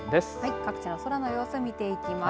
各地の空の様子を見ていきます。